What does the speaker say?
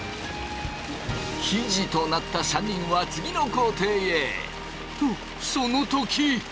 生地となった３人は次の工程へとその時！